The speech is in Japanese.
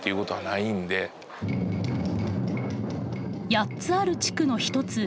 ８つある地区の一つ